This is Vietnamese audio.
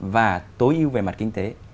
và tối ưu về mặt kinh tế